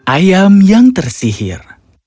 ayam yang tersihir